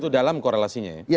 itu dalam korelasinya ya